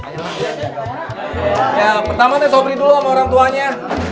ya pertama sobri dulu sama orang tuanya